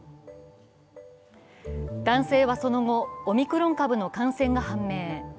男性はその後、オミクロン株の感染が判明。